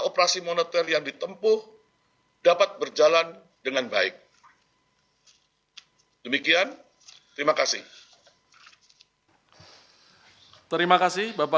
operasi moneter yang ditempuh dapat berjalan dengan baik demikian terima kasih terima kasih bapak